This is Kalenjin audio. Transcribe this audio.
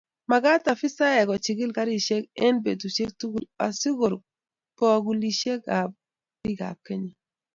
Magat afisaek kochigil garisiek eng betusiek tugul asikor bogolusiekab bikap Kenya